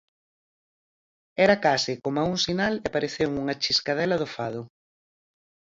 Era case coma un sinal e pareceume unha chiscadela do fado.